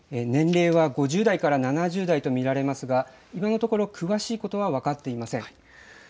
年齢は５０代から７０代と見られますが、今のところ詳しいことは分かっていません。